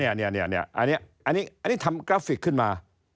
อันนี้ทำกราฟิกขึ้นมา